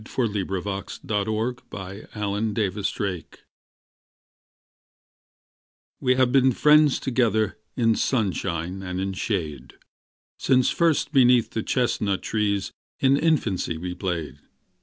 Caroline Norton We Have Been Friends Together WE have been friends together In sunshine and in shade, Since first beneath the chestnut trees, In infancy we played.